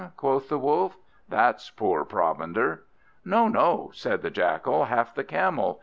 quoth the Wolf; "that's poor provender." "No, no," said the Jackal, "half the Camel.